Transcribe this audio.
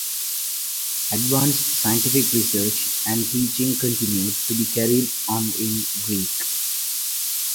Advanced scientific research and teaching continued to be carried on in Greek.